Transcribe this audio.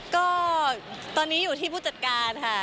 ก็ตอนนี้อยู่ที่ผู้จัดการค่ะ